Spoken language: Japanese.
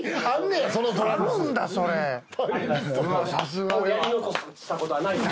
やり残したことはないです。